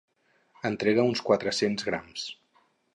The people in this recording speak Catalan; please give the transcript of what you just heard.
Entrega uns quatre-cents grams.